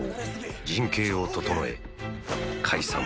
陣形を整え解散。